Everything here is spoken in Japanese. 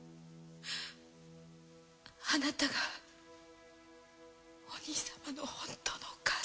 あなたがお兄様の本当のお母様。